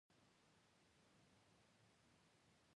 چرګان د خلکو د ژوند په کیفیت تاثیر کوي.